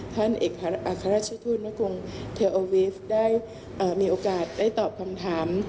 ท่านเอกอัครราชทูตณกรุงเทลโอวีฟได้มีโอกาสได้ตอบคำถาม